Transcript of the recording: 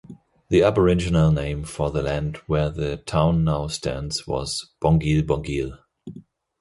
The Aboriginal name for the land where the town now stands was "Bongil Bongil".